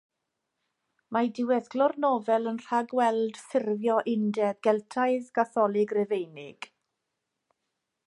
Mae diweddglo'r nofel yn rhagweld ffurfio undeb Geltaidd, Gatholig Rufeinig.